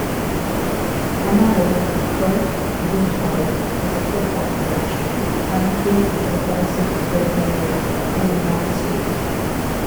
Another, Kurt Beathard, is a football coach, currently the offensive coordinator for Illinois State.